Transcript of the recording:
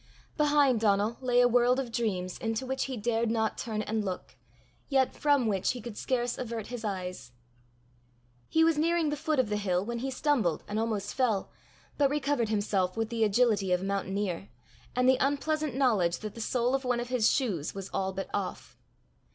Behind Donal lay a world of dreams into which he dared not turn and look, yet from which he could scarce avert his eyes. He was nearing the foot of the hill when he stumbled and almost fell, but recovered himself with the agility of a mountaineer, and the unpleasant knowledge that the sole of one of his shoes was all but off.